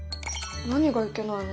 何がいけないの？